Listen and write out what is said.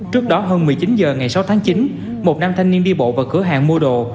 trước đó hơn một mươi chín h ngày sáu tháng chín một nam thanh niên đi bộ vào cửa hàng mua đồ